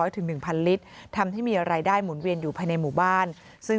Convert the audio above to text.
ถึง๑๐๐ลิตรทำให้มีรายได้หมุนเวียนอยู่ภายในหมู่บ้านซึ่ง